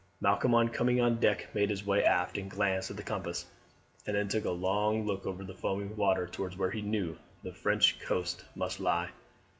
Malcolm on coming on deck made his way aft and glanced at the compass, and then took a long look over the foaming water towards where he knew the French coast must lie.